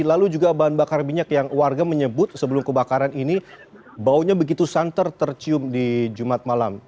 lalu juga bahan bakar minyak yang warga menyebut sebelum kebakaran ini baunya begitu santer tercium di jumat malam